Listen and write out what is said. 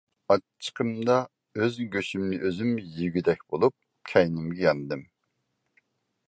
ئاچچىقىمدا ئۆز گۆشۈمنى ئۆزۈم يېگۈدەك بولۇپ، كەينىمگە ياندىم.